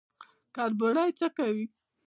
کربوړی څه کوي؟